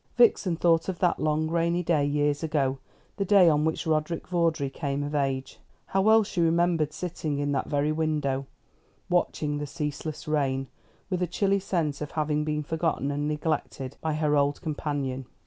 Vixen thought of that long rainy day, years ago, the day on which Roderick Vawdrey came of age. How well she remembered sitting in that very window, watching the ceaseless rain, with a chilly sense of having been forgotten and neglected by her old companion.